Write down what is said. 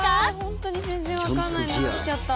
本当に全然わかんないのが来ちゃった。